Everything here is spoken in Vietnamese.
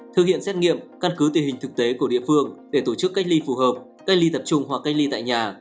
thực hiện xét nghiệm căn cứ tình hình thực tế của địa phương để tổ chức cách ly phù hợp cách ly tập trung hoặc cách ly tại nhà